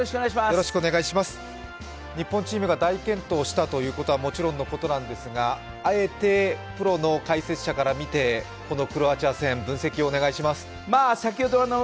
日本チームが大健闘したということはもちろんですがあえてプロの解説者から見てこのクロアチア戦、分析をお願いします。